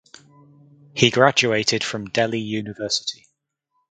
He graduated from Delhi University.